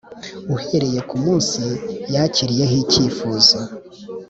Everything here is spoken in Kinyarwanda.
uhereye ku munsi yakiriyeho icyifuzo